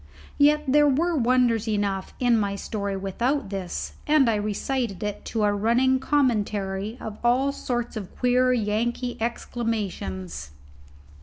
Yet there were wonders enough in my story without this, and I recited it to a running commentary of all sorts of queer Yankee exclamations.